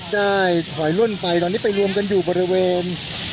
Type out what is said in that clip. ได้ถอยล่นไปตอนนี้ไปรวมกันอยู่บริเวณ